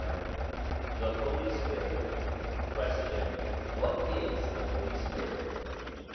XXV THE HOLY SPIRIT Question. What is the Holy Spirit